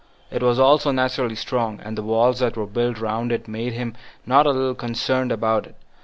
It was also naturally strong, and the walls that were built round it made him not a little concerned about it.